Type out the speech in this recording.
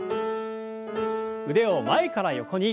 腕を前から横に。